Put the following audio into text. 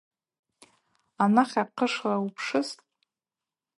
Анахь ахъышвла упшыстӏ.